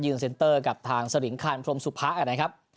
เซ็นเตอร์กับทางสลิงคารพรมสุภะนะครับ